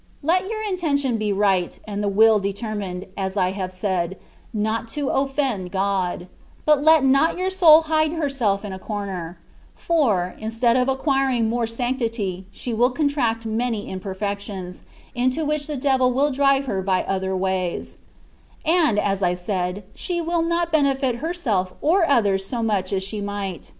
Let your intention be rights and the will determined (as I have said) not to offend Grod : but let not your soul hide herself in a cor t ner ; for, instead of acquiring more sanctity, she will contract many imperfections, into which the devil will drive her by other ways ; and, as I said, she will not benefit herself or others so much as she might.